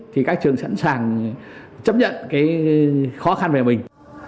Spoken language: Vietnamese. thì các trường sẵn sàng chấp nhận cái khó khăn về mình